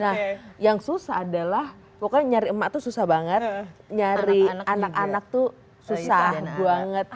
nah yang susah adalah pokoknya nyari emak tuh susah banget nyari anak anak tuh susah banget